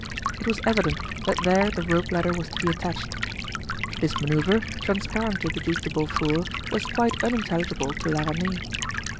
It was evident that there the rope ladder was to be attached. This manoeuvre, transparent to the Duc de Beaufort, was quite unintelligible to La Ramee.